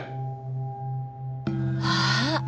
あっ！